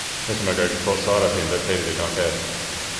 Mr McGregor caught sight of him, but Peter did not care.